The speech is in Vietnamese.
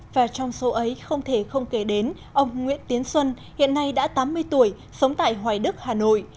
và trong số ấy không thể không kể đến ông nguyễn tiến xuân hiện nay đã tám mươi tuổi sống tại hoài đức hà nội